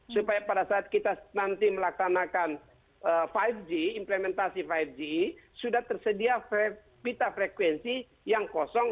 supaya pada saat kita nanti melaksanakan lima g implementasi lima g sudah tersedia pita frekuensi yang kosong